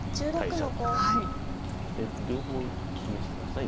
両方示してました？